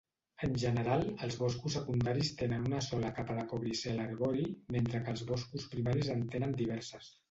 En general, els boscos secundaris tenen una sola capa de cobricel arbori, mentre que els boscos primaris en tenen diverses.